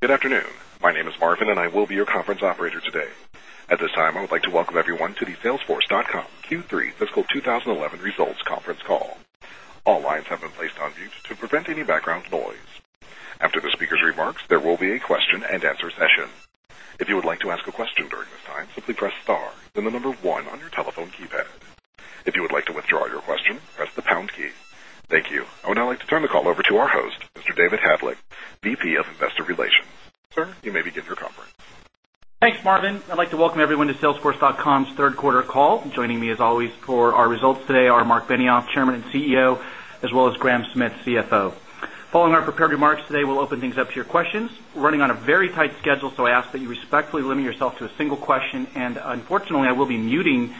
Good afternoon. My name is Marvin and I will be your conference operator today. At this time, I would like to welcome everyone to the salesforce dotcomq3 fiscal 2011results conference call. All lines have been placed on mute to prevent any background noise. After the speakers' remarks, there will be a question and answer session. Thank you. I would now like to turn the call over to our host, Mr. David Hadlick, VP of Investor Relations. Sir, you may begin your conference. Thanks, Marvin. I'd like to welcome everyone to salesforce.com's Q3 call. Joining me as always for our results today are Marc Benioff, Chairman and CEO as well as Graham Smith, CFO. Following our prepared remarks today, we'll open things up to your questions. We're running on a very tight schedule, so I ask that you respectfully limit yourself to a single question. And unfortunately, I will be muting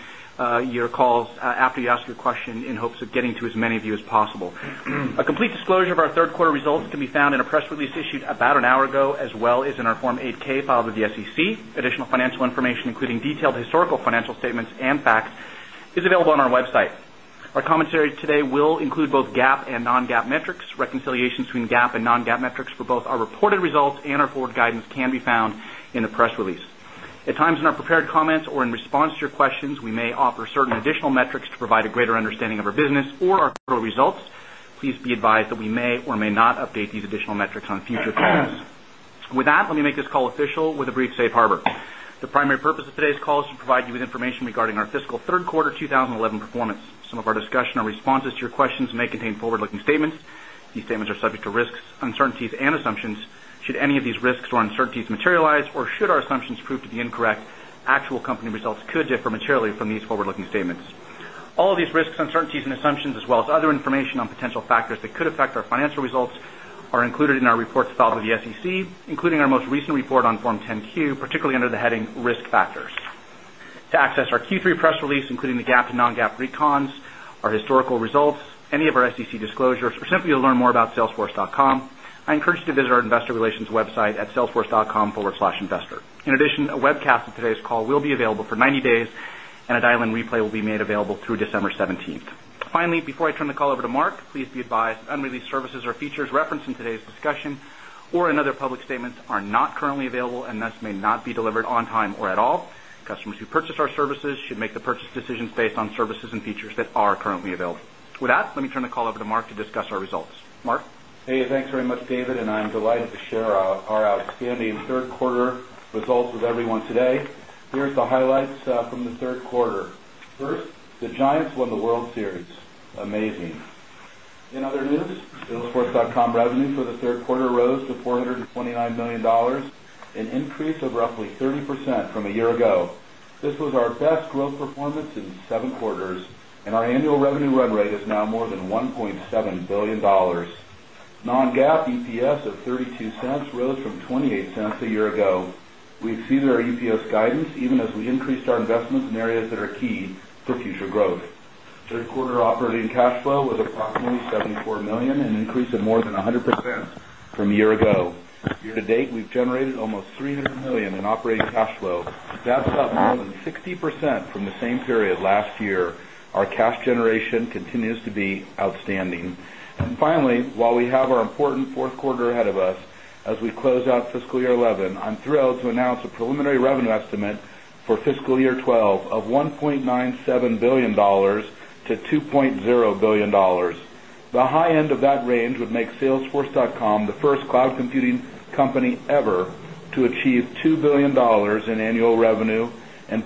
your calls after you ask your question in hopes of getting to as many of you as possible. A complete disclosure of our Q3 results can be found in a press release issued about an hour ago as well as in our Form 8 ks filed with the SEC. Additional financial information including detailed historical financial statements and facts is available on our website. Our commentary today will include both GAAP and non GAAP metrics. Reconciliations between GAAP and non GAAP metrics for both our reported results and our forward guidance can be found in the press release. At times in our prepared comments or in response to your questions, we may offer certain additional metrics to provide a greater understanding of our business or our quarterly results. Please be advised that we may or may not update these additional metrics on future calls. With that, let me make this call official with a brief Safe Harbor. The primary purpose of today's call is to provide you with information regarding our fiscal Q3 2011 performance. Some of our discussion or responses to your questions may contain forward looking statements. These statements are subject to risks, uncertainties and assumptions. Should any of these or uncertainties materialize or should our assumptions prove to be incorrect, actual company results could differ materially from these forward looking statements. All of these risks, uncertainties and assumptions as well as other information on potential factors that could affect our financial results are included in our reports filed with the SEC, including our most recent report on Form 10 Q, particularly under the heading Risk Factors. To access our Q3 press release, including the GAAP to non GAAP recon, our historical results, any of our SEC disclosures or simply to learn more about salesforce dotcom, I encourage you to visit our Investor Relations website at salesforce.com/investor. In addition, a webcast of today's call will be available for 90 days and a dial in replay will be made available through December 17th. Finally, before I turn the call over to Mark, please be advised unreleased services or features referenced in today's discussion or in other public statements are not currently available and thus may not be delivered on time or at all. Customers who purchase our services should make the purchase decisions based on services and features that are currently available. With that, let me turn the call over to Mark to discuss our results. Mark? Hey, thanks very much, David, and I'm delighted to share our outstanding Q3 results with everyone today. Here's the highlights from the Q3. First, the Giants won the World Series, amazing. In other news, salesforce.comrevenue for the 3rd quarter rose to $429,000,000 an 7 quarters and our annual revenue run rate is now more than $1,700,000,000 Non GAAP EPS of $0.32 rose from $0.28 a year ago. We exceeded our EPS guidance even as we increased our investments in areas that are key for future growth. 3rd quarter operating cash flow was approximately $74,000,000 an increase of more than 100% from a year ago. Year to date, we've generated almost $300,000,000 in operating cash flow. That's up more than 60% from the same period last year. Our cash generation continues to be outstanding. And finally, while we have our important Q4 ahead of us, as we close out fiscal year 'eleven, I'm thrilled to announce a preliminary estimate for fiscal year 2012 of $1,970,000,000 to $2,000,000,000 The high end of that range would make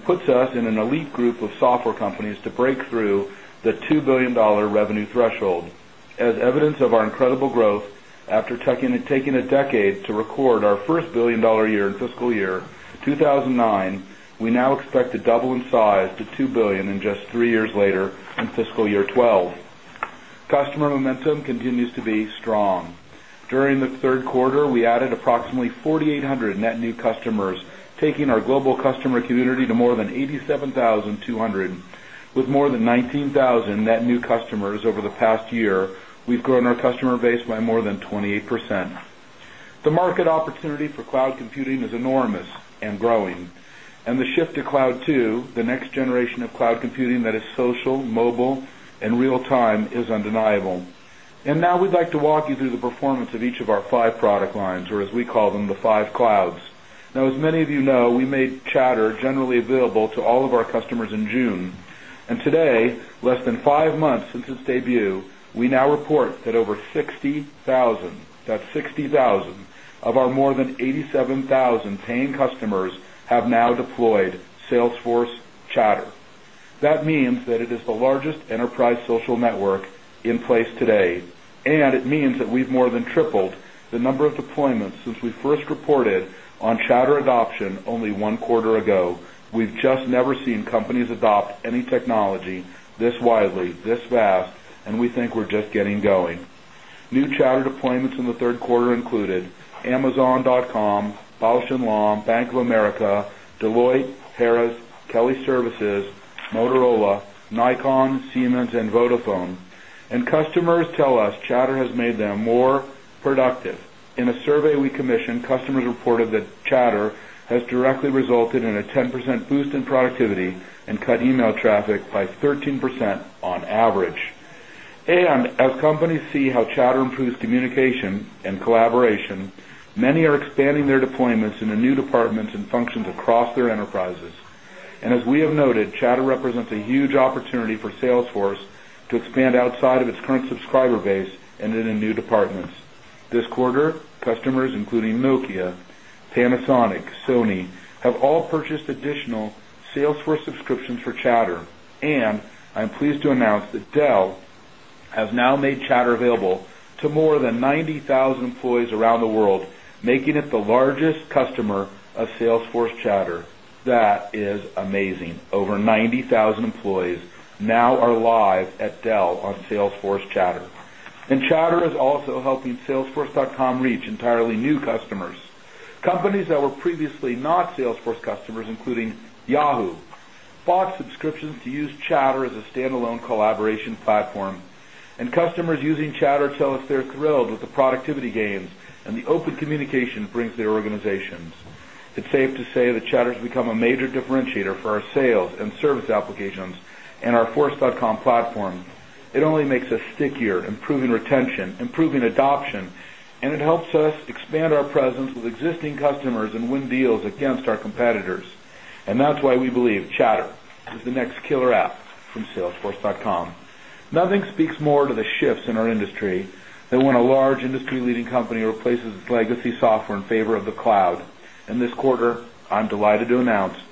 puts us in an elite group of software companies to break through the $2,000,000,000 revenue threshold. As evidence of our incredible growth, after taking a decade record our first $1,000,000,000 year in fiscal year 2,009, we now expect to double in size to $2,000,000,000 in just 3 years later in fiscal year 'twelve. Customer momentum continues to be strong. During the Q3, we added approximately 4,800 net new customers taking our global customer community to more than 87,200 with more than 19,000 net new customers over the past year, we've grown our customer base by more than 28%. The market opportunity for cloud computing is enormous and growing. And the shift to to the performance of each of our 5 product lines or as we call them the 5 clouds. Now as many of you know, we made chatter generally available to all of our customers in June. And today, less than 5 months since its debut, we now report that over 60,000 that's 60,000 of our more than 87,000 in place today and it means that we've more than tripled the number of deployments since we first reported on Chatter adoption only 1 quarter ago. We've just never seen companies adopt any technology this widely, this fast and we think we're just getting going. New charter deployments in the Q3 included Amazon dotcom, Bausch and Lomb, Bank of America, Deloitte, Harrah's, productive. In a survey we commissioned customers reported that chatter has directly resulted in a 10% boost in productivity and e mail traffic by 13% on average. And as companies see how Chatter improves communication and collaboration, many are expanding their deployments in the new departments and functions across their enterprises. And as we have noted, Chatter represents a huge opportunity for Salesforce force to expand outside of its current subscriber base and into new departments. This quarter, customers including Nokia, Panasonic, Sony have all purchased additional Salesforce subscriptions for Chatter. And I'm pleased to announce that Dell has now made Chatter available to more than 90,000 employees around the world, making it the largest customer of Salesforce Chatter. That is amazing. Over 90,000 employees now are live at Dell on Salesforce Chatter. And Chatter is also helping salesforce.com reach entirely new customers. Companies that were previously not Salesforce customers including Yahoo! Bought subscriptions to use Chatter as a standalone collaboration platform and customers using Chatter tell us they're thrilled with the productivity gains and the open communication it brings to their organizations. It's safe to say that Chatter has become a major differentiator for our sales and service applications and force.com platform. It only makes us stickier, improving retention, improving adoption and it helps us expand our presence with existing customers and win deals against our competitors. And that's why we believe Chatter is the next killer app from salesforce.com. Nothing speaks more to the shifts in our industry than when a large industry leading company replaces its legacy software in favor of the cloud. In this quarter, I'm delighted to platforms.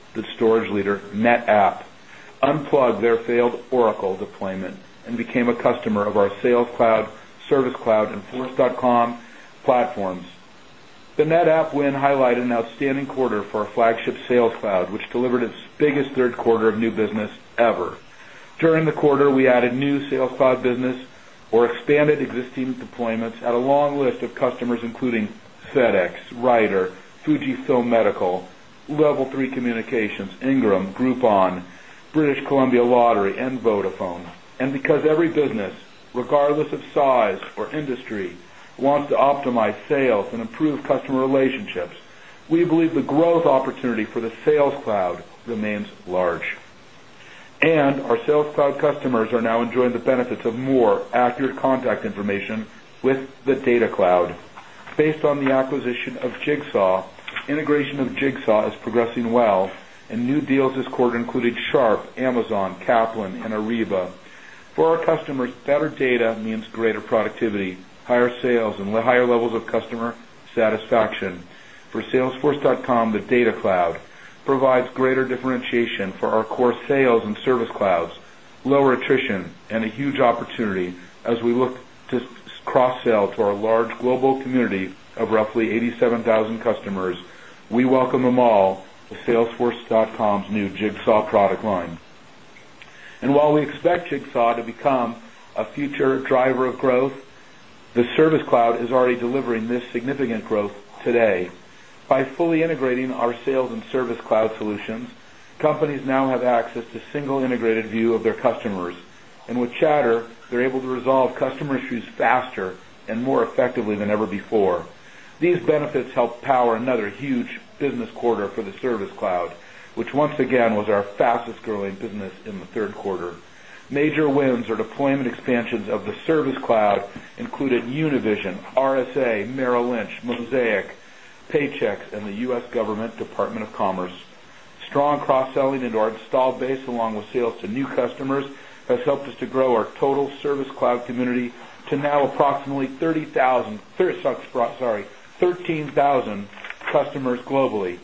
The NetApp win highlighted an outstanding quarter for our flagship Sales Cloud, which delivered its biggest third quarter of new business ever. During the quarter, we added new Sales Cloud business or expanded existing deployments at a long list of customers including FedEx, Ryder, Fujifilm Medical, Level 3 Communications, Ingram, Groupon, British Columbia Lottery and Vodafone. Relationships, we believe the growth opportunity for the sales cloud remains large. And our sales cloud customers are now enjoying the benefits of more accurate contact information with the data cloud. Based on the acquisition of Jigsaw, integration of Jigsaw is progressing well and new deals this quarter included Sharp, Amazon, Kaplan and Ariba. For our customers, better data means greater productivity, higher sales and higher levels of customer satisfaction. For salesforce.com, the data cloud provides greater differentiation for our core sales and service clouds, lower attrition and a huge opportunity as we look to cross sell to our large global community of roughly 87,000 customers, we welcome them all to salesforce.com's new Jigsaw product line. And while we expect Jigsaw to become a future driver of growth, the Service Cloud is already delivering this significant growth today by fully integrating our sales and Service Cloud solutions, companies now have access to single integrated view of their customers. And with Chatter, they're able to resolve customer issues faster and more effectively than ever before. These benefits help power another huge business quarter for the Service Cloud, which once again was our fastest growing business in the 3rd quarter. Major wins or deployment expansions of the Service Cloud included Univision, RSA, Merrill Lynch, Mosaic, Paychex and the U. S. Government Department of Commerce. Strong cross selling into our installed base along with sales to new customers has helped us to grow our total service cloud community to now approximately 30,000 sorry, 13,000 customers globally.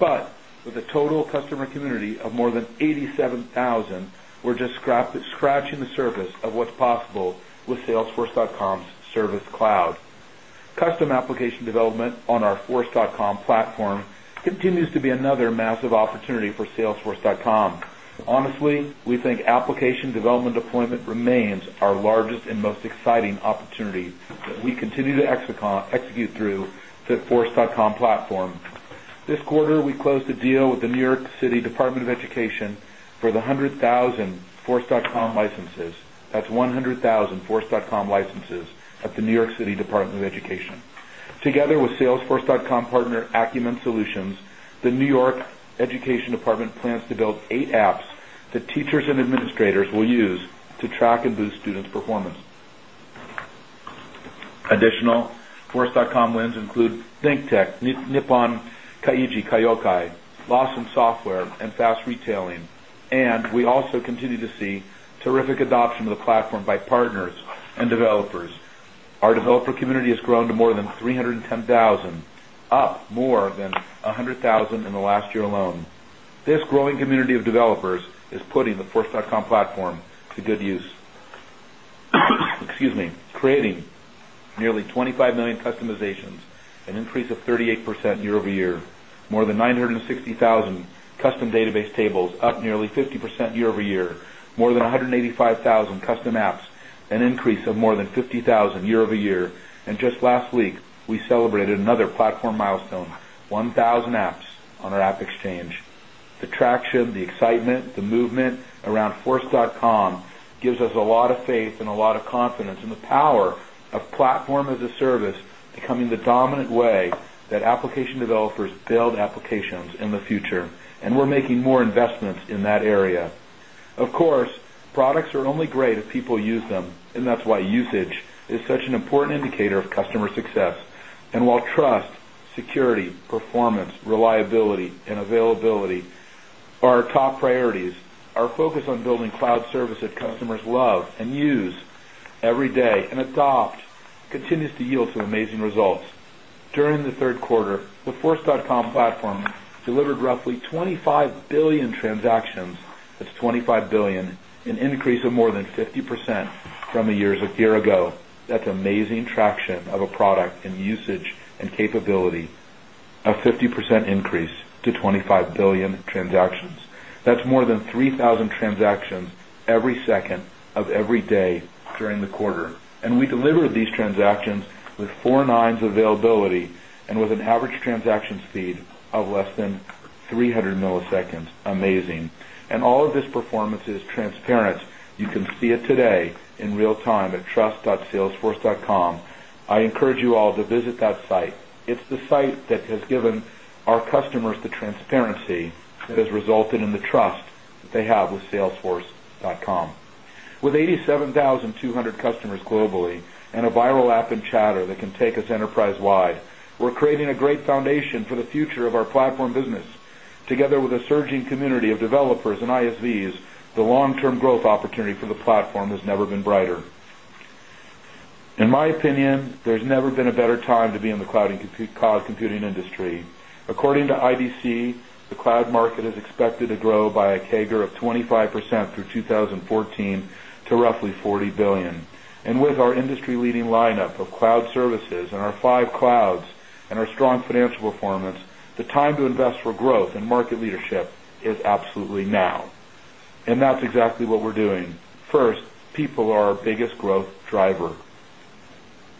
But with a total customer a total customer community of more than 87,000, we're just scratching the surface of what's possible with salesforce.com's service cloud. Custom application development on our force.com platform continues to be another massive opportunity for salesforce.com. Honestly, we think application development deployment remains our largest and most exciting opportunity that we continue to execute through fitforce.com the 1,000 force.com licenses, that's 100,000 force.com licenses at the New York City Department of Education. Together with salesforce.com partner Acumen Solutions, the New York Education Department plans to build 8 apps that teachers and administrators will use to track and boost students' performance. Additionalforce. Terrific adoption of the platform by partners and developers. Our developer community has grown to more than 310 1,000 up more than 100,000 in the last year alone. This growing community of developers is putting the force dot com platform to good use, creating nearly 25,000,000 customizations, an increase of 38% year over year, more than 960,000 custom database tables up nearly 50% year over year, more than 185,000 custom apps, an increase of more than 50,000 year over year. And just last week, we celebrated another platform milestone, 1 power of platform as a service becoming the dominant way that application developers build applications in the future. And we're making more investments in that area. Of course, products are only great if people use them and that's why usage is an important indicator of customer success. And while trust, security, performance, reliability and availability our top priorities. Our focus on building cloud service that customers love and use every day and adopt continues to yield some amazing results. During the Q3, the force.com platform delivered roughly 25,000,000,000 transactions, that's 25,000,000,000 dollars an increase of more than 50% from a year ago. That's amazing traction of a product and usage transactions every second of every day during the quarter. And we delivered these transactions with in real time at trust. Salesforce.com. I encourage you to in real time at trust. Salesforce.com. I encourage you all to visit that site. It's the site that has our customers the transparency that has resulted in the trust that they have with salesforce.com. With 80 7,200 customers globally and a viral app in chatter that can take us enterprise wide, we're creating a great foundation for the future of our platform Together with a surging community of developers and ISVs, the long term growth opportunity for the platform has never been brighter. In my opinion, there's never been a better time to be in the cloud and cloud computing industry. According to IDC, the cloud in of cloud services and our 5 clouds and our strong financial performance, the time to invest for growth and market leadership is absolutely now. And that's exactly what we're doing. 1st, people are our biggest growth driver,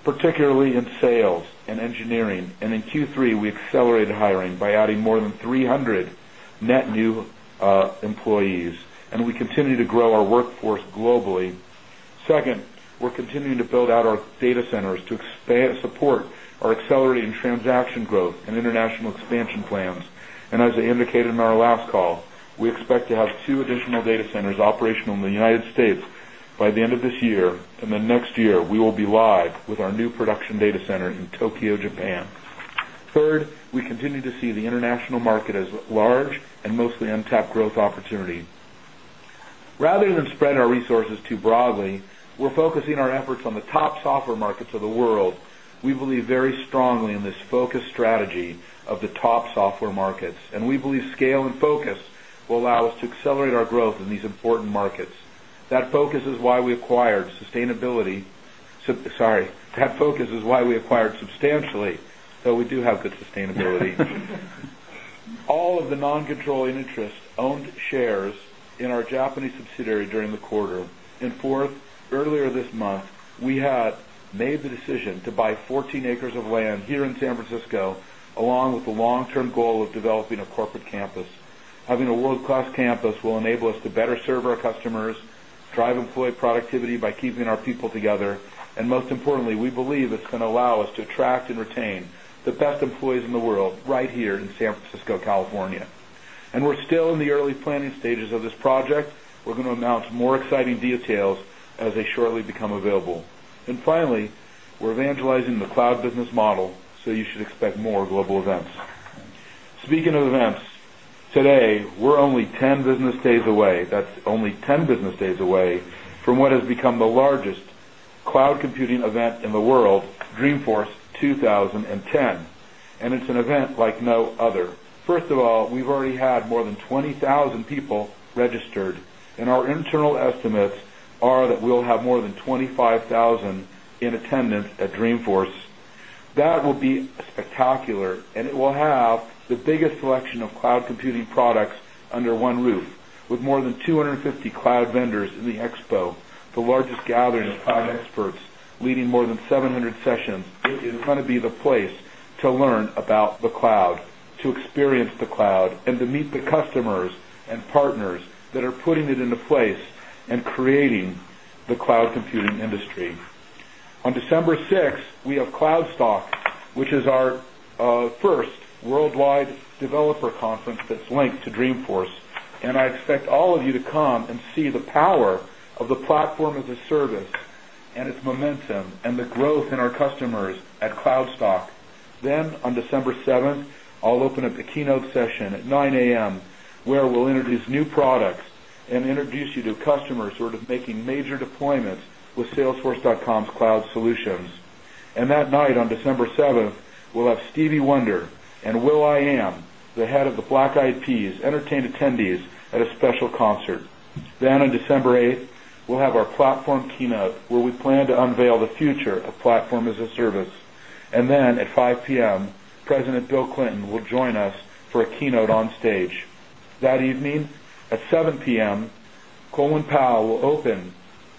particularly in sales and engineering. And in Q3, we accelerated hiring by adding more than 300 net new employees and we continue to grow our workforce globally. 2nd, we're continuing to build out our data centers to support our accelerating transaction growth and international expansion plans. And as I indicated in our last call, we expect to have 2 additional data centers operational in the United States by the end of this year and then next year we will be live with our new production data center in Tokyo, Japan. 3rd, we continue to see the international market as large and mostly untapped growth opportunity. Rather than spread our resources too broadly, we're focusing our efforts on the top software markets of the world. We believe very strongly in this focused strategy of the top software markets and we believe scale and focus will allow us to accelerate our growth in these important markets. Markets. That focus is why we acquired substantially, but we do have good sustainability. All of the non controlling interest owned shares in our Japanese subsidiary during the quarter. And 4th, earlier this month, we had made the decision to buy 14 acres of land here in San Francisco along with the long term goal of developing a corporate campus. Having a world class campus will enable us to better serve our customers, drive employee productivity by keeping our people together and most importantly, we believe it's going to allow us to attract and retain the best employees in the world right here in San Francisco, California. Announce more exciting details as they shortly become available. And finally, we're evangelizing the cloud business model, so you should expect more global events. Speaking of events, today we're only 10 business days away, that's only 10 business days away from what has become the largest cloud computing event in the world, Dreamforce 2010. And it's an event like no other. First of all, we've already had more than 20,000 people registered and our internal estimates are that we'll have more than 25,000 in attendance at Dreamforce. That will be spectacular and it will have the biggest selection of cloud computing products under one roof with more than 2 50 cloud vendors in the expo, the largest gathering of cloud experts leading more than 700 sessions. It is going to be the place to learn about the cloud, to experience the cloud and to meet the customers and partners that are putting it into place and creating the computing industry. On December 6, we have Cloudstock, which is our 1st worldwide developer conference that's linked to Dreamforce. Momentum and the growth in our customers at Cloudstock. Then on December 7, I'll open up a keynote session at 9 a. M. Where we'll introduce new products and introduce you to customers who are making major deployments with Salesforce.com's cloud solutions. And that night on December 7, we'll have Stevie Wonder and Will. I. Am, the Head of the Black Eyed Peas entertained attendees at a special concert. Then on December 8, we'll have our platform keynote where we plan to unveil the future of platform as a service. And then at 5 p. M, President Bill Clinton will join us for a keynote on stage. That evening at 7 p. M, Colin Powell will open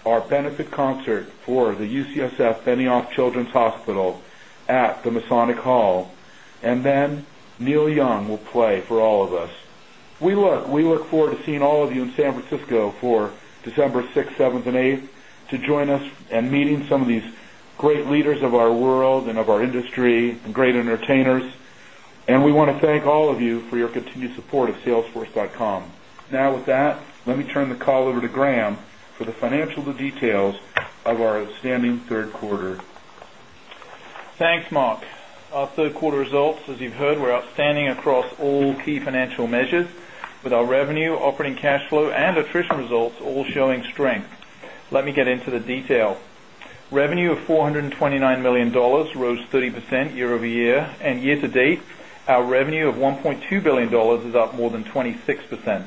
our benefit concert for the UCSF Benioff Children's Hospital at the Masonic Hall and then Neil Young will play for all of us. We look forward to seeing all of you in San Francisco for December 6, 7, 8 to join us and meeting some of these great leaders of our world and of our industry, great entertainers. And we want to thank all of you for your continued support of salesforce.com. Now with that, let me turn the call over to Graeme for the financial details of our outstanding Q3. Thanks, Mark. Our 3rd quarter results as you've heard were outstanding across all key financial measures with our revenue, operating cash flow and attrition results all showing strength. Let me get into the detail. Revenue of $429,000,000 rose 30% year over year and year to date our revenue of $1,200,000,000 is up more than 26%.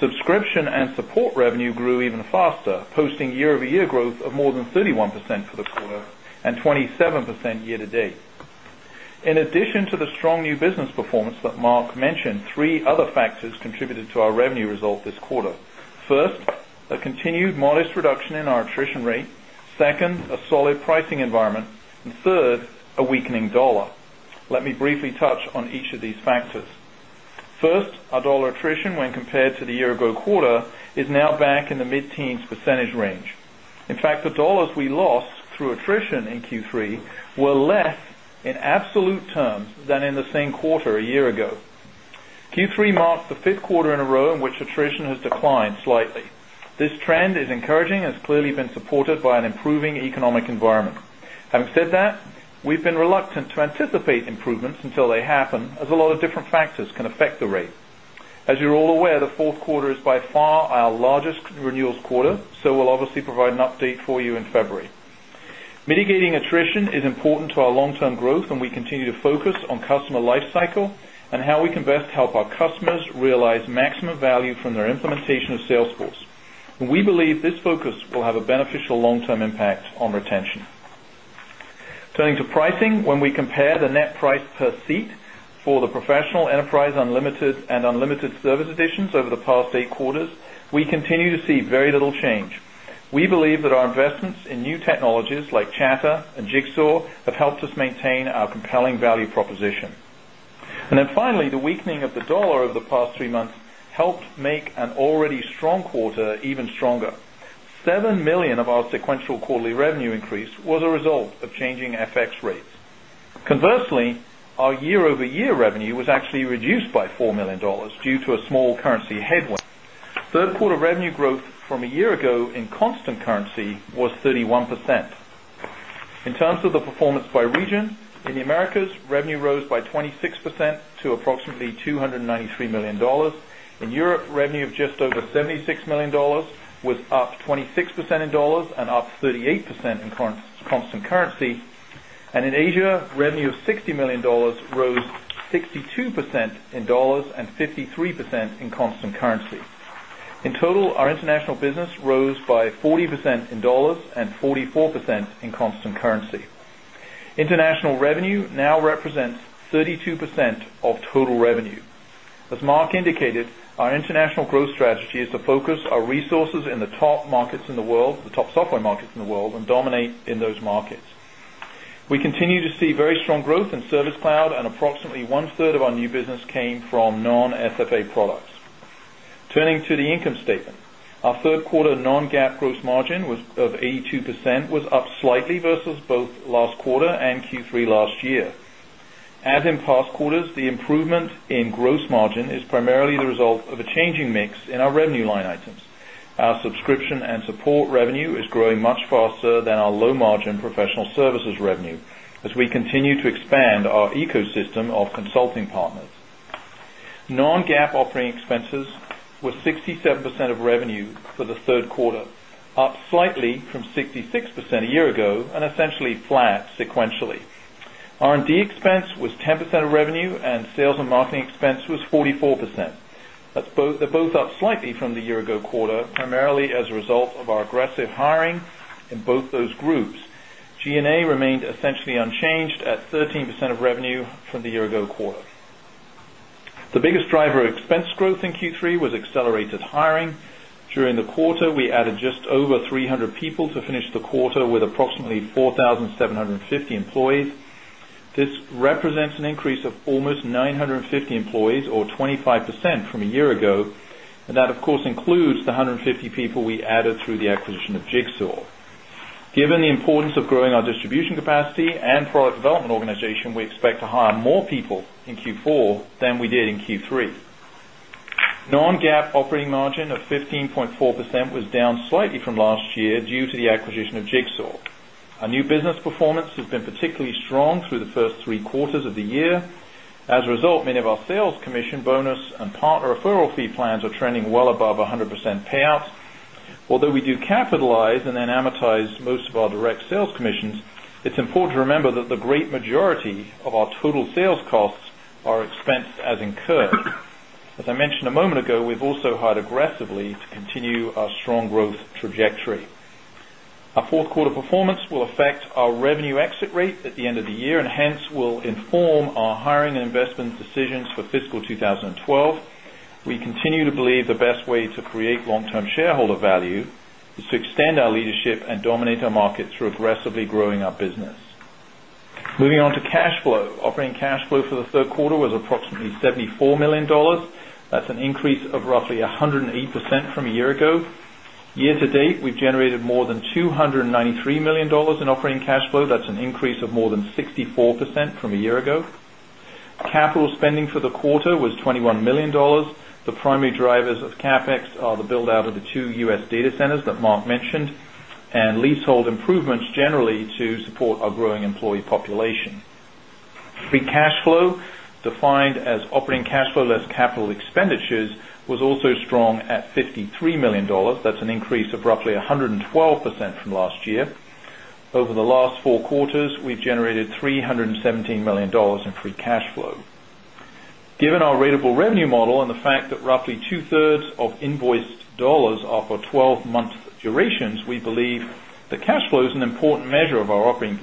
Subscription and support revenue grew even faster, posting year over year growth of more than 31% for the quarter and 27% year to date. In addition to the 1st, a continued modest reduction in our attrition rate 2nd, a solid pricing environment and 3rd, a weakening dollar. Let me briefly touch on each of these factors. First, our dollar attrition when compared to the year ago quarter is now back in the mid teens percentage range. In fact, the dollars we lost through attrition in Q3 were less in absolute terms than in the same quarter a year Q3 marks the 5th quarter in a row in which attrition has declined slightly. This trend is encouraging and has clearly been supported by an improving economic environment. Having said that, we've been reluctant to anticipate improvements until they happen as a lot of different factors can affect the rate. As you're all aware, the 4th quarter is by far our largest renewals quarter, so we'll obviously provide an update for you in February. Mitigating attrition is important to our long term growth and we continue to focus on customer lifecycle and how we can best help our customers realize maximum value from their implementation of Salesforce. And we believe this focus will have a beneficial long term impact on retention. Turning to pricing, when we compare the net price per seat for the Professional Enterprise Unlimited Service Editions over the past 8 quarters, we continue to see very little change. We believe that our investments in new technologies like helped make an already strong quarter even stronger. Dollars 7,000,000 of our sequential quarterly revenue increase was a result of changing FX rates. Conversely, our year over year revenue was actually reduced by $4,000,000 due to a small currency headwind. 3rd quarter revenue growth from a year ago in constant currency was 31%. In terms Americas, revenue rose by 26 percent to approximately $293,000,000 In Europe, revenue of just over $76,000,000 was up 26% in dollars and up 38% in constant currency. And in Asia, revenue of $60,000,000 rose 62% in dollars and 53 40% in dollars and 44% in constant currency. International revenue now represents 32% of total revenue. As Mark indicated, our international growth strategy is to focus our resources in the top markets in the world, the top software markets in the world and dominate in those markets. We continue to see very strong growth in from non FFA products. Turning to the income statement. Our 3rd quarter non GAAP gross margin of 82% was up slightly versus both in expand our ecosystem of consulting partners. Non GAAP operating expenses were 67% of revenue for the Q3 up slightly from 66% a year ago and essentially flat sequentially. R and D expense was 10% of revenue and sales and marketing expense was 44%. They're both up slightly from the year ago quarter the the year ago quarter. The biggest driver of expense growth in Q3 was accelerated hiring. During the quarter, we added just over 300 people to finish the quarter with approximately 4,750 employees. This represents an increase of almost 9 50 employees or 25 percent from a year ago and that of course includes the 150 people we added through the acquisition of Jigsaw. Given the importance of growing our distribution capacity and product development organization, we expect to hire more people in Q4 than we did in Q3. Non GAAP operating margin of 15.4% was down slightly from last year due to the acquisition of Jigsaw. Our new business performance has been particularly strong through the 1st 3 quarters of the year. As a result, many of our sales commission bonus and part referral fee plans are trending well above 100 percent payout. Although we do capitalize and then amortize most of our direct sales commissions, important to remember that the great majority of our total sales costs are expensed as incurred. As I mentioned a moment ago, we also hired aggressively to continue our strong growth trajectory. Our 4th quarter performance will affect our revenue exit rate at the end of the year and hence will inform our hiring and investment decisions for fiscal 2012. We continue to believe the best way to create long term shareholder value is to extend our leadership and dominate our markets through aggressively growing our business. Moving on to cash flow, operating cash flow for the Q3 was approximately $74,000,000 that's an increase of roughly 108% from a year ago. Year to date we've generated more than $293,000,000 in operating cash flow that's an increase of more than 64% from a year ago. Capital flow less capital expenditures was also strong at $53,000,000 that's an increase of roughly 112% from last year. Over the last four quarters, we've generated $317,000,000 in free cash flow. Given our ratable revenue model and the fact that roughly 2 thirds of invoiced dollars are for 12 month durations, we believe the cash flow is an important measure of our operating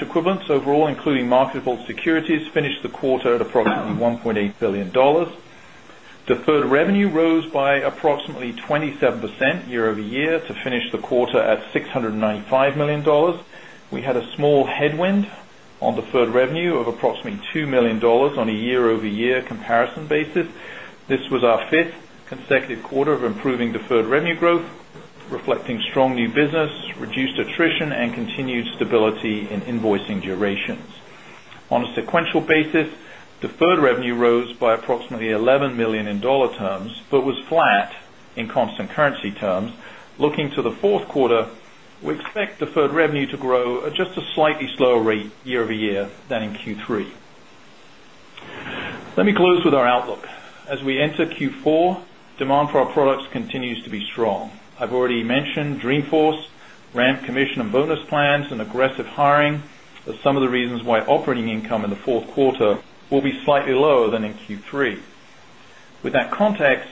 equivalents overall including marketable securities finished the quarter at approximately $1,800,000,000 Deferred revenue rose by approximately 27 percent year over year to finish the quarter at $695,000,000 We had a small headwind on deferred revenue approximately $2,000,000 on a year over year comparison basis. This was our 5th consecutive quarter of improving deferred revenue growth, reflecting strong new business, reduced attrition and continued stability in invoicing durations. On a sequential basis, deferred revenue rose by approximately 11 $1,000,000 in dollar terms, but was flat in constant currency terms. Looking to the 4th quarter, we expect deferred revenue to grow at just a slightly slower rate year over year than in Q3. Let me close with our outlook. As we enter Q4, demand for our products continues to be strong. I've already mentioned Dreamforce, ramp commission and bonus plans and aggressive hiring are some of the reasons why operating income in the Q4 will be slightly lower than in Q3. With that context,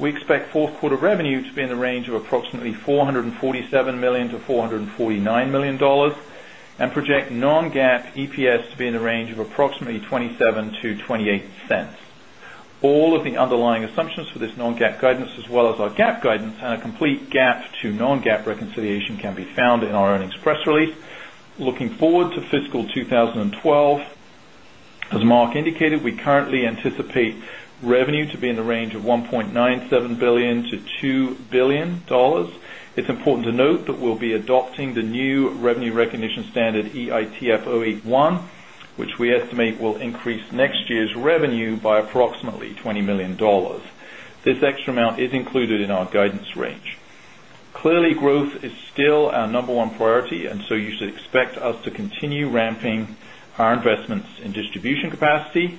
we expect 4th quarter revenue to be in the range of approximately $447,000,000 to $449,000,000 and project non GAAP Mark indicated, we currently anticipate revenue to be in the range of $1,970,000,000 to $2,000,000,000 It's important to note that we'll be adopting the new revenue recognition standard EITF-eighty one which we estimate will increase next year's revenue by approximately $20,000,000 This extra amount is included in our guidance range. Clearly, growth is still our number one priority and so you should expect us to continue ramping our investments in distribution capacity,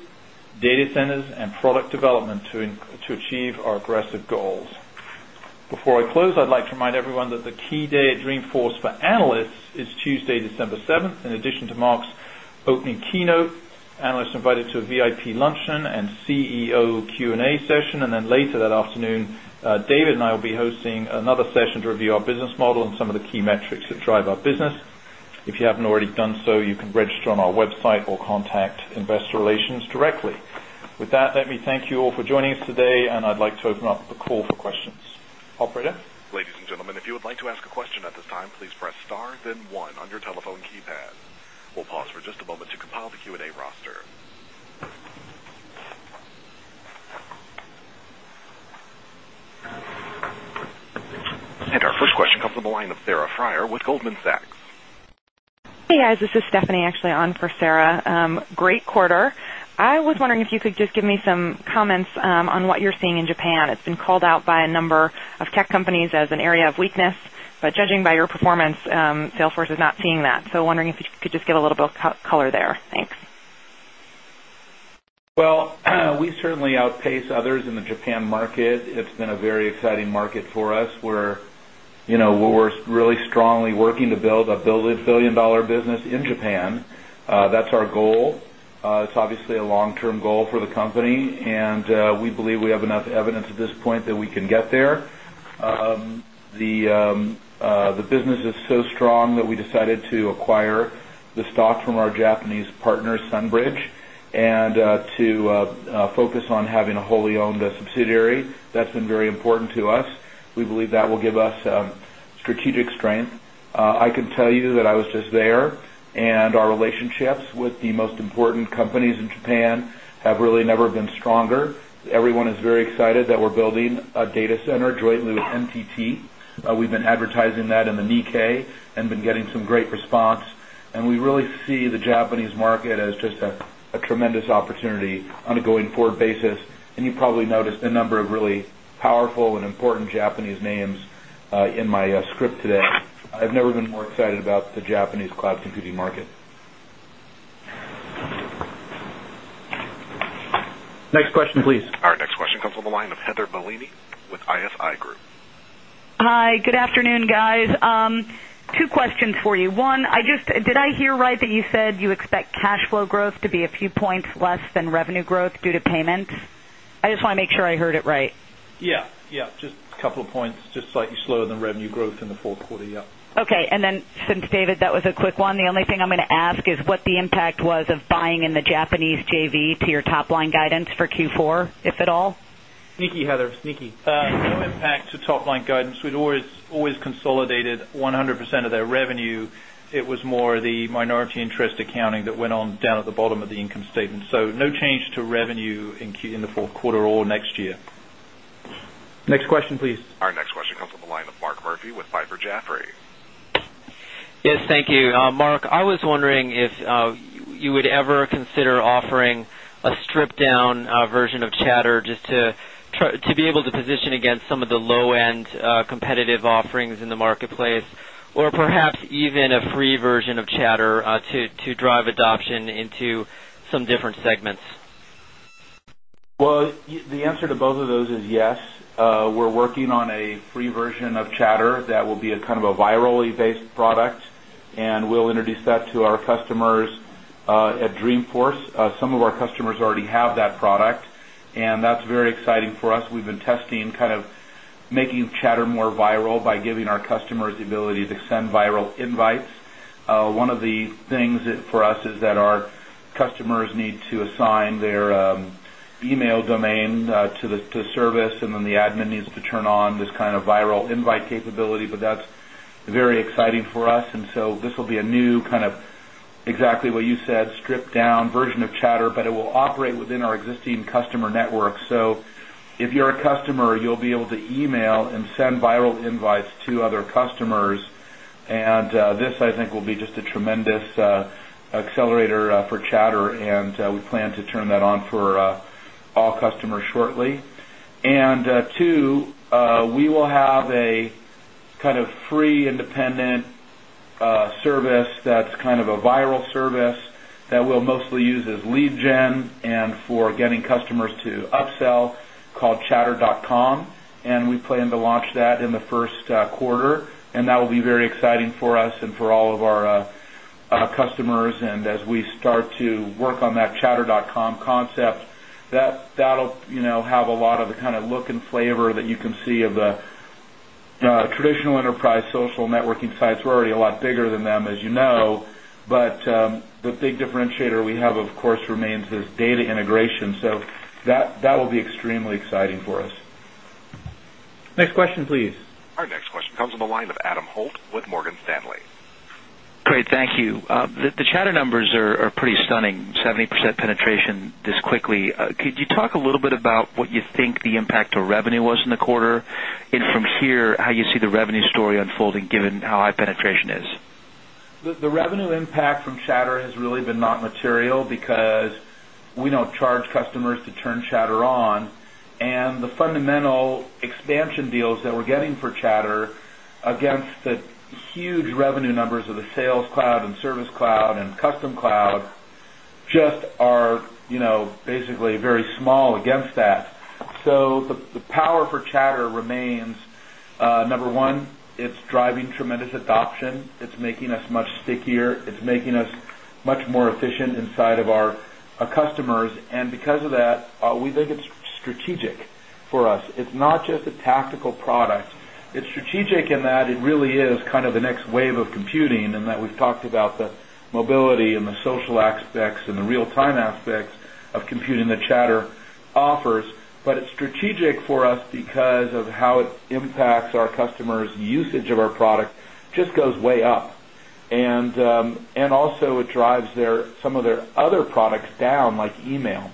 data centers and product development to achieve our aggressive goals. Before I close, I'd like to remind everyone that the key day at Dreamforce for analysts is Tuesday, December 7th in addition to Mark's opening keynote, analysts invited to VIP luncheon and CEO Q and A session. And then later that afternoon, David and I will be hosting another session to review our business model and some of the key metrics that drive our business. If you haven't already done so, you can register on our website or contact Investor Relations directly. With that, let me thank you all for joining us today. And I'd like to open up the call for questions. Operator? Give me some comments on what you're seeing in Japan. It's been called out by a number of tech companies as an area of weakness, but judging by your performance, sales force is not Japan market. It's been a very exciting market for us. We're really strongly working to build a $1,000,000,000 business in Japan. That's our goal. It's obviously a long term goal for the company. And we believe we have enough evidence at this point that we can get there. The business is so strong that we decided to acquire the stock from our Japanese partner Sunbridge and to focus on having a wholly owned subsidiary. That's been very important to us. We believe that will give us strategic strength. I can tell you that I was just there and our relationships with the most important companies in Japan have really never been stronger. Everyone is very excited that we're building a data center jointly with NTT. We've been advertising that in the Nikkei and been getting some great response. And we really see the Japanese market as just a tremendous opportunity on a going forward basis. And you probably noticed a number of really powerful and important Japanese names in my script today. I've never been more excited about the Japanese cloud computing market. Next question please. Our next question comes from the line of Heather Bellini with ISI Group. Hi, good afternoon guys. Two questions for you. 1, I just did I hear right that you you expect cash flow growth to be a few points less than revenue growth due to payments? I just want to make sure I heard it right. Yes, yes. Just a couple of points, just slightly slower than revenue growth in the Q4, yes. Okay. And then since David that was a quick one, the only thing I'm going to ask is what the impact was of buying in the Japanese JV to your top line guidance for Q4 if at all? Sneaky Heather, Sneaky. To top line guidance. We'd always consolidated 100% of their revenue. It was more the minority interest accounting that went on down at the bottom of the income statement. So no change to revenue in Q4 or next year. Next question please. Our next question comes from the line of Mark Murphy with Piper Jaffray. Yes, thank you. Mark, I was wondering if you would ever consider offering a stripped down version of Chatter just to be able to position against some of the low end end competitive offerings in the marketplace or perhaps even a free version of chatter to drive adoption into some different segments? Well, the answer to both of those is yes. We're working on a free version of Chatter that will be a kind of a virally based product and we'll introduce that to our customers at Dreamforce. Some of our customers already have that that product, and that's very exciting for us. We've been testing kind of making chatter more viral by giving our customers the ability to send viral invites. One of the things for us is that our customers need to assign their email domain to the service and then the admin needs to turn on this kind of viral invite capability, but that's very exciting for us. And so this will be a new kind of exactly what you said stripped down version of Chatter, but it will operate within our existing customer network. So if you're a customer, you'll be able to email and send viral invites to other customers. And this, I think, will be just a tremendous accelerator for Chatter, and we plan to turn that on for all customers shortly. And 2, we will have a kind of free independent service that's kind of a viral service that we'll mostly use as lead gen and for getting customers to upsell called chatter.com and we plan to launch that in the Q1 and that will be very exciting for us and for all of our customers. And as we start to work on that chatter.com concept, that will have a lot of the kind of look and flavor that you can see of the traditional enterprise social networking sites. We're already a lot bigger than them, as you know. But the big Our next question comes from the line of Adam Holt with Morgan Stanley. Great. Thank you. The chatter numbers are pretty stunning, 70% penetration this quickly. Could you talk a little bit about what you think the impact to revenue was in the quarter? And from here, how you see the revenue story unfolding given how high penetration is? The revenue impact from Chatter has really been not material because we don't charge customers to turn chatter on. And the fundamental expansion deals that we're getting for chatter against the huge revenue numbers of the Sales Cloud and service cloud and custom cloud just are basically very small against that. So the power for chatter remains number 1, it's driving tremendous adoption. It's making us much stickier. It's making us much more efficient inside our customers. And because of that, we think it's strategic for us. It's not just a tactical product. It's strategic in that it really is kind of the next wave of computing and that we've talked about the mobility and the social aspects and the real time aspects of computing the chatter offers, but it's strategic for us because of how it impacts our customers usage of our product just goes way up. And also it drives their some of their other products down like email.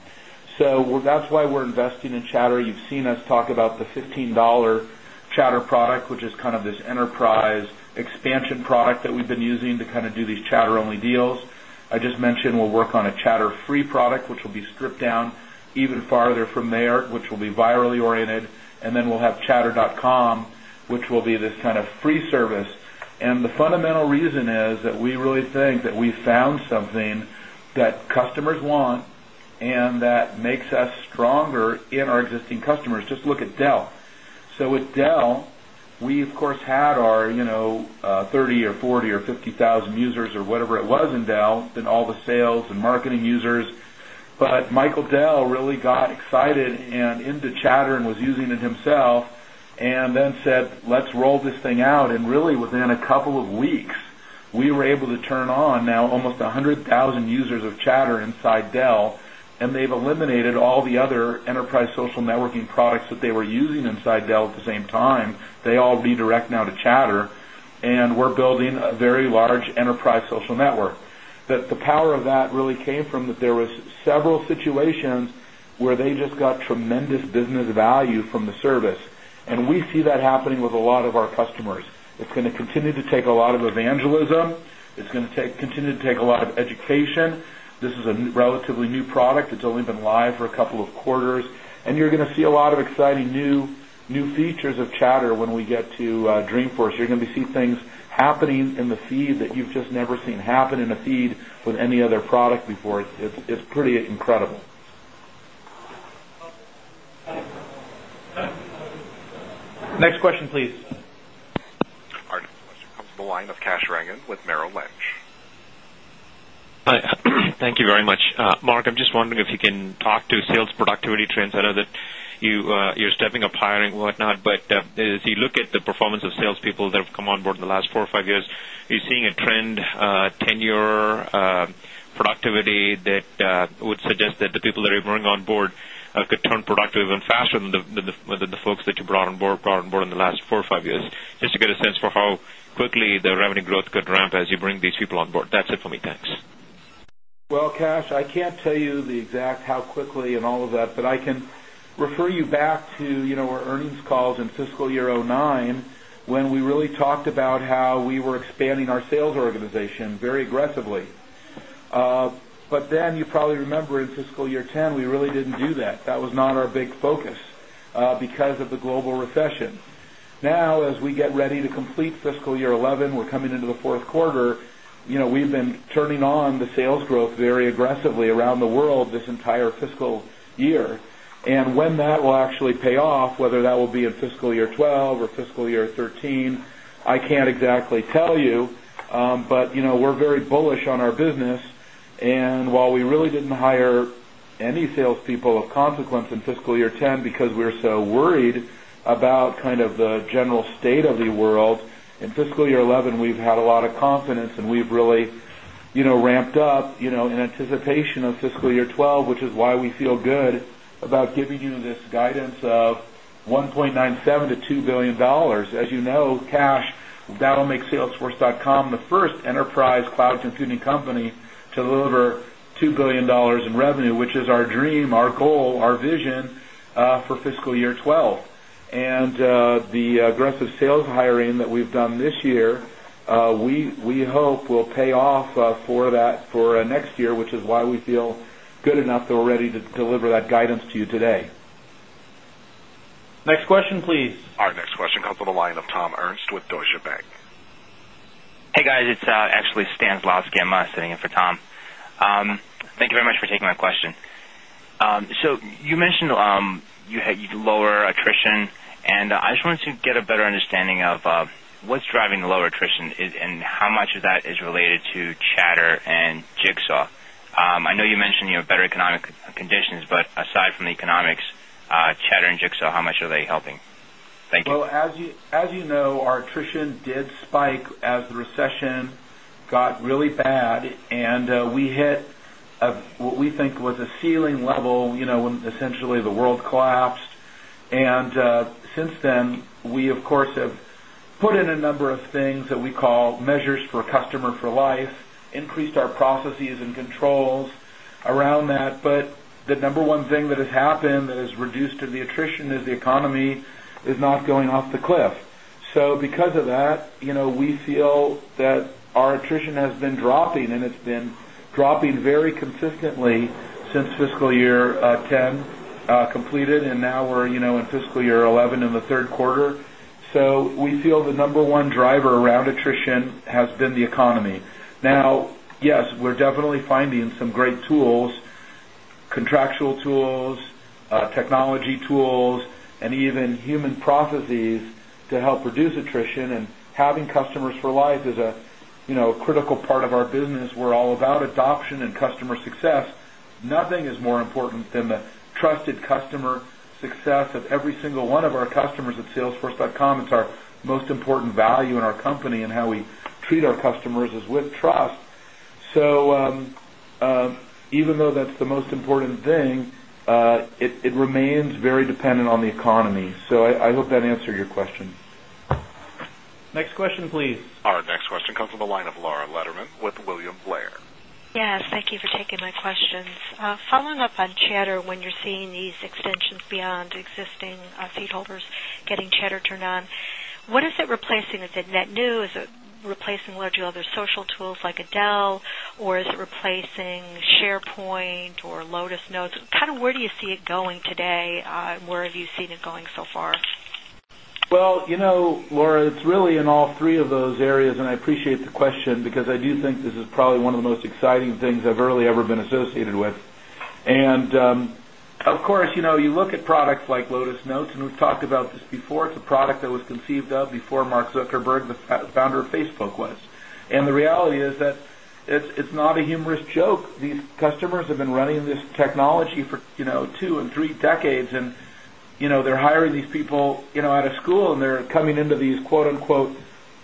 So that's why we're investing in chatter. You've seen us talk about the $15 chatter product, is kind of this enterprise expansion product that we've been using to kind of do these Chatter only deals. I just mentioned we'll work on a Chatter free product, which will be stripped down even farther from there, which will be virally oriented. And then we'll have Chatter dotcom, which will be this kind of free service. And the fundamental reason is that we really think that we found something that customers want and that makes us stronger in our existing customers. Just look at Dell. So with Dell, we of course had our 30,000 or 40,000 or 50,000 users or whatever it was in Dell than all the sales and marketing users. But Michael Dell really got excited and into Chatter and was using it himself and then said let's roll this thing out and really within a couple of weeks we were able to turn on now almost 100,000 users of chatter inside Dell and they've a very large enterprise social network. The power of that really came from that there was several situations where they just got tremendous business value from the service. And we see that happening with a lot continue to take a lot of evangelism. It's going to continue to take a lot of education. This is a relatively new product. It's only been live for a couple of quarters. And you're going to a lot of exciting new features of Chatter when we get to Dreamforce. You're going to see things happening in the feed that you've just never seen happen in a feed with any other product before. It's pretty incredible. Next question please. Our next question comes from the line of Kash Rangan with Merrill Lynch. Thank you very much. Mark, I'm just wondering if you can talk to sales productivity trends that are that you're stepping up hiring whatnot, but as you look at the performance of sales people that have come on board in the last 4 or 5 years, are you seeing a trend tenure productivity that would suggest that the people that you're bringing on board could turn productive even faster than the folks that you brought on board in the last 4 or 5 years? Just to get a sense for how quickly the revenue growth could ramp as you bring these people on board? That's it for me. Thanks. Well, Kash, I can't tell you the exact how quickly all of that, but I can refer you back to our earnings calls in fiscal year 'nine when we really talked about how we were expanding our sales organization very aggressively. But then you probably remember in fiscal year 'ten, we really didn't do that. That was not our big focus because of the global recession. Now as we get ready to complete fiscal year 2011, we're coming into the 4th quarter. We've been turning on the sales growth very aggressively around the world this entire fiscal year. And when that will actually pay off, whether that will be in fiscal year 2012 or fiscal year 2013, I can't exactly tell you. But we're very bullish on our business. And while we really didn't hire any salespeople of consequence in fiscal year 'ten because we're so worried about the general state of the world. In fiscal year 'eleven, we've had a lot of confidence and we've really ramped up in anticipation of fiscal year 2012 which is why we feel good about giving you this guidance of $1,970,000,000 to 2 $1,000,000,000 As you know cash that will make salesforce.com the 1st enterprise cloud computing company to deliver 2 $1,000,000,000 in revenue which is our dream, our goal, our vision for fiscal year 2012. And aggressive sales hiring that we've done this year, we hope will pay off for that for next year, which is why we feel good enough already to deliver that guidance to you today. Next question, please. Our next question comes from the line of Tom Ernst with Deutsche Bank. Hey guys, it's actually Stan Slosky sitting in for Tom. Thank you very much for taking question. So you mentioned you had lower attrition and I just wanted to get a better understanding of what's driving the lower attrition and how much of that is related to chatter and Jigsaw? I know you mentioned you have better economic conditions, but aside from the economics, chatter how much are they helping? Thank you. Well, as you know, our attrition did spike as the recession got really bad and we hit what we think was a ceiling level when essentially the world collapsed. And since then we of course have put in a number of things that we call measures for customer for life, our processes and controls around that. But the number one thing that has happened that has reduced the attrition is the economy is not going off the cliff. So because of that, we feel that our attrition has been dropping and it's been dropping very consistently since fiscal year 'ten completed and now we're in fiscal year 'eleven in Q3. So, we feel the number one driver around attrition has been the economy. Now, yes, we're definitely finding some great tools, contractual tools, technology tools and even human processes to help reduce attrition and having customers for life is a critical part of our business. We're all about adoption and customer success. Nothing is more important than the trusted customer success of every single one of our customers at salesforce.com. It's our most important value most important thing, it remains very dependent on the economy. So I hope that answers your question. Next question please. Our next question comes from the line of Laura Letterman with William Blair. Yes. Thank you for taking my questions. Following up on chatter when you're seeing these extensions beyond existing seat holders getting chatter turned on, what is it replacing? Is it net new? Is it replacing largely other social tools like a Adele? Or is it replacing SharePoint or Lotus Notes? Kind of where do you see it going today? Where have you seen it going so far? Well, Laura, it's really in all three of those areas and I appreciate the question because I do think this is probably one of the most exciting I've really ever been associated with. And of course you look at products like Lotus Notes and we've talked about this before, it's a product that was conceived of before Mark Zuckerberg, the founder of Facebook was. And the reality is that it's not a humorous joke. These customers have been running this coming into these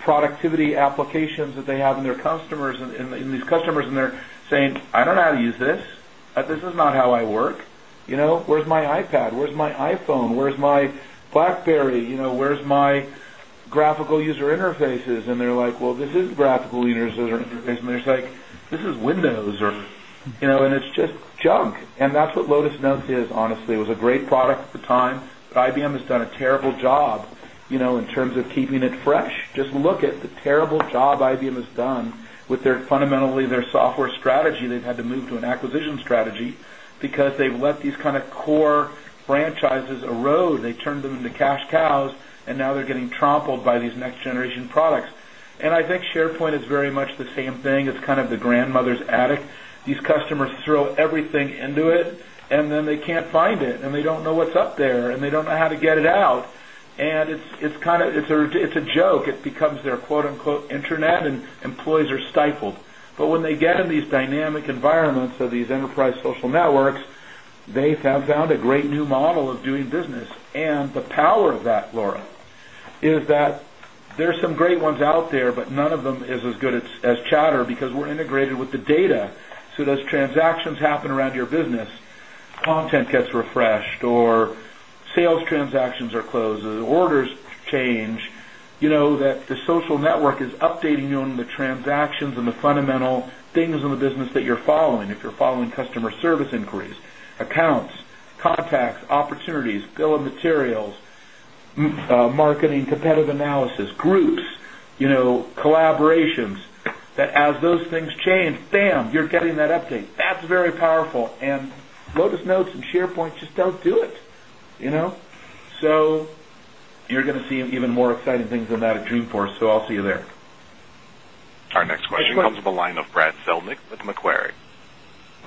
productivity applications that they have in their customers and these customers and they're saying, I don't know how to use this. This is not how I work. Where's my iPad? Where's my iPhone? Where's my BlackBerry? Where's my graphical user interfaces? And they're like, well, this is graphical users. Interface and they're like, this is Windows and it's just junk. And that's what Lotus Notes is honestly. It was a great product at the time. IBM has done a terrible job in terms of keeping it fresh. Just look at the terrible job IBM has done with their fundamentally their software strategy, they've had to move to an acquisition strategy because they've let these kind of core franchises erode. They turned them into cows and now they're getting trampled by these next generation products. And I think SharePoint is very much the same thing. It's kind of the grandmother's attic. These customers throw everything into it and then they can't find it and they don't know what's up there and they don't know how to get it out. And it's kind of it's a joke. It becomes their Internet and employees are stifled. But when they get in these dynamic a great new model of doing business. And the power of that, Laura, is that there are some great ones out there, but none of them is as good as chatter because we're integrated with the data. So those transactions happen around your business content gets refreshed or sales transactions are closed, orders change, that the social network is updating you on the transactions and the fundamental things in the business that you're following. If you're following customer service inquiries, accounts, contacts, opportunities, bill of materials, marketing, competitive analysis, groups, collaborations that as those things change, damn, you're getting that update. That's very powerful. And Lotus Notes and SharePoint just don't do it. So you're going to see even more exciting things than that at Dreamforce. So I'll see you there. Our next question comes from the line of Brad Zelnick with Macquarie.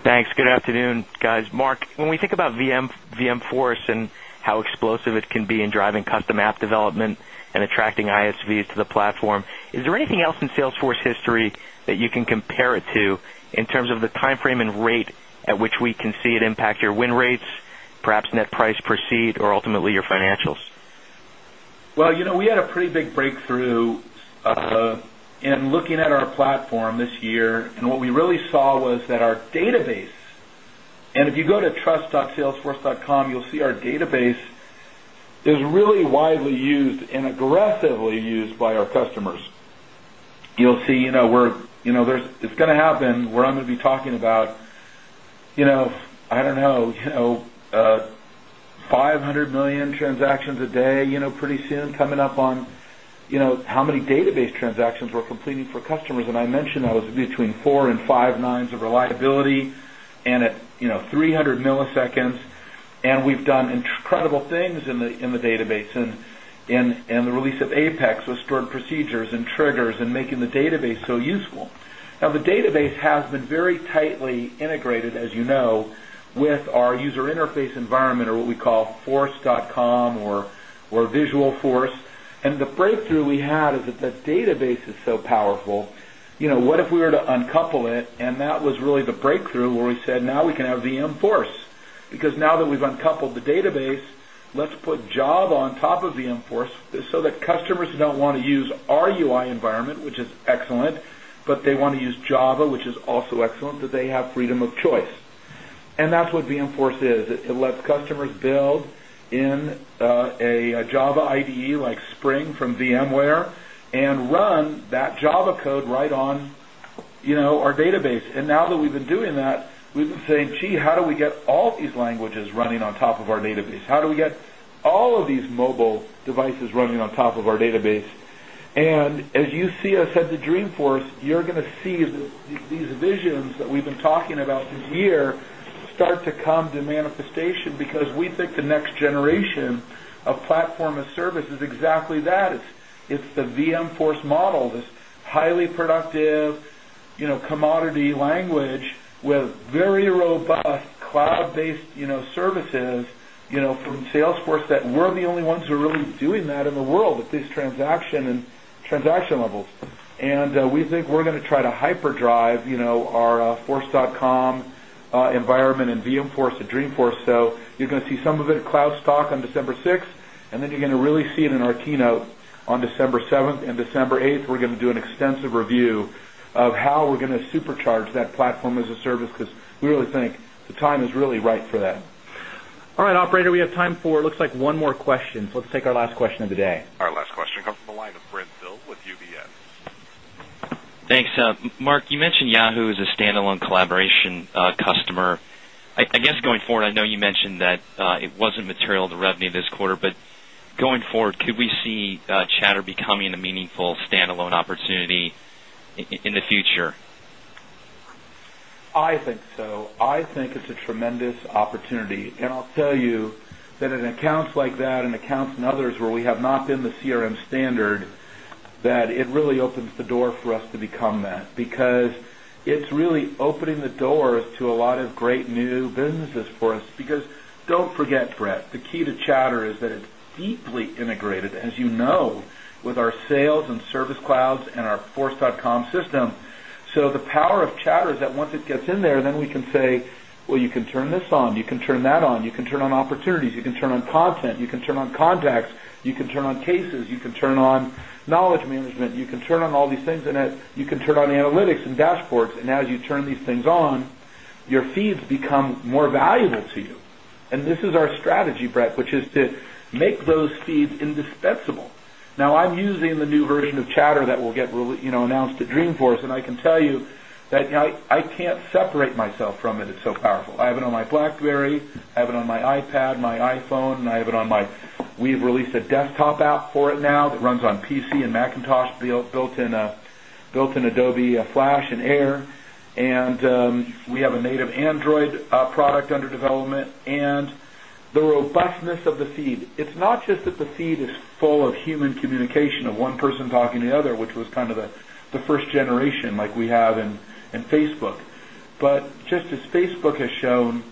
Thanks. Good afternoon, guys. Mark, when we think about VM Force and how explosive it can be in driving custom app development and attracting ISVs to the platform. Is there anything else in sales force history that you can compare it to in terms of the timeframe and rate at which we can see it impact your win rates, perhaps net price proceed or ultimately your financials? Well, we had a pretty big breakthrough in looking at our platform this year and what we really saw was that our database and if you go to trust. Salesforce dotcom you'll see our database is really widely used and aggressively used by our customers. You'll see where there's it's going to happen where I'm going to be talking about, I don't know, 500,000,000 transactions a day pretty soon coming up on how many database transactions we're completing for customers and I mentioned that was between 459s of reliability and at 300 milliseconds and we've done incredible things in the database and the release of Apex with stored procedures and triggers and making the database so useful. Now the database has been very tightly integrated as you know with our user interface environment or what we call force.com or Visualforce and the break database is so powerful. What if we were to uncouple it and that was really the breakthrough where we said now we can have the in force because now that we've uncoupled the database, let's put job on top of the in force so that customers don't want to use our UI environment which is excellent, but they want to use Java which is also excellent that they have freedom of choice. And that's what VMFORCE is. It lets customers build in a Java IDE like Spring from VMware and run that Java code right on our database. And now that we've been doing that, we've been saying, gee, how do we get all these languages running on of our database? How do we get all of these mobile devices running on top of our database? And as you see us at the Dreamforce, you're going to see these visions that we've been talking about this year start to come to manifestation because we think the next generation of platform of service is exactly that. It's the VM Force model, this highly productive commodity language with very robust cloud based services from Salesforce that we're the only ones who are really doing that in the world at this transaction levels. And we think we're going to try to hyper drive our force.com environment in VM Force and Dreamforce. So you're going to see some of it at cloudstock on December 6 and then you're going to really see it in our keynote on December 7 December 8 we're going to do an extensive review of how we're going to supercharge that platform as a service because we really think the time is really right for that. All right, operator, we have time for, it looks like one more question. So let's take our last question of the day. Our last question comes from the line of Brent Thill with UBS. Thanks. Mark, you mentioned Yahoo! Is a standalone collaboration customer. I guess going forward, I know you mentioned that it wasn't material to revenue this quarter, but going forward, could we see chatter becoming a meaningful standalone opportunity in the future? I think so. I think it's a tremendous opportunity. And I'll tell you that in accounts like that and accounts and others where we have not been the CRM standard that it really opens the door for us to become that because it's really opening the doors to a lot of great new businesses for us because don't forget, Brett, the key to chatter is that deeply integrated as you know with our sales and service clouds and our force.com system. So the power of chatter is that once it gets in there then we can say well you can turn this on, you can turn that on, you can turn on opportunities, you can turn on content, you can turn on contacts, you can turn on cases, you can turn on knowledge management, you can turn on all these things in it, you can turn on analytics and dashboards and as you turn these things on your feeds become more valuable to you. And this is our strategy Brett, which is to make those feeds indispensable. Now, that I can't separate myself from it. It's so powerful. I have it on my BlackBerry. I have it on my iPad, my iPhone, and I have it on my we've released desktop app for it now that runs on PC and Macintosh built in Adobe Flash and Air. And we have a native Android product under development and the robustness of the feed. It's not just that the feed is full of human communication of 1 person talking the other, which was kind of the 1st generation like we have in Facebook. But just as Facebook has shown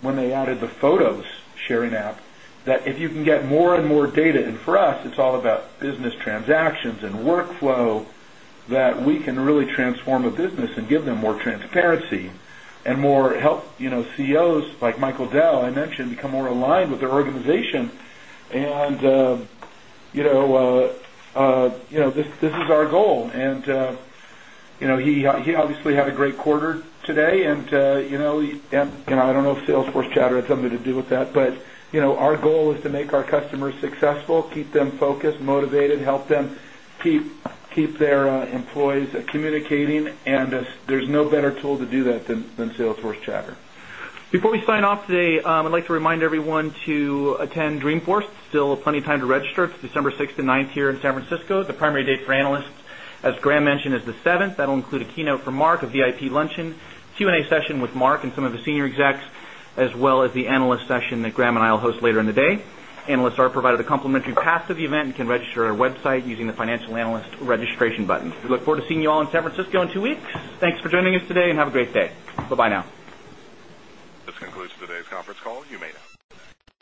when they added the photos sharing app that if you can get more and more data and for us it's all about business transactions and workflow that we can really transform a business and give them more transparency and more help CEOs like Michael Dell, I mentioned become more aligned with the organization. And this is our goal. And he obviously had a great quarter today and I don't know if sales force chatter has something to do with that. But our goal is to make our customers successful, keep them focused, motivated, help them keep their employees communicating and there's no better tool to do that than Salesforce Chatter. Before we sign off today, I'd like to remind everyone to attend Dreamforce, still plenty of time to register, it's December 6 9 here in San Francisco, the primary date for analysts. As Graham mentioned is 7th, that will include a keynote for Mark of VIP Luncheon, Q and A session with Mark and some of the senior execs as well as the analyst session that Graham and I will host later in the day. Analysts are provided a complimentary pass of the event and can register at our website using the financial analyst registration button. We look forward to seeing you all in San Francisco in 2 weeks. Thanks for joining us today and have a great day. Bye bye now. This concludes today's conference call. You may now